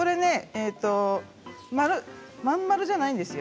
真ん丸じゃないんですよ。